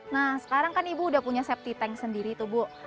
nah sekarang kan ibu udah punya safety tank sendiri tuh bu